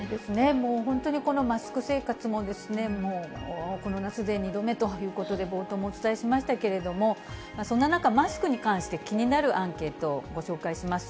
もう本当に、このマスク生活も、この夏で２度目ということで、冒頭もお伝えしましたけれども、そんな中、マスクに関して気になるアンケートをご紹介します。